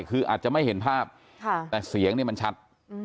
คืออาจจะไม่เห็นภาพแต่เสียงเนี่ยมันชัด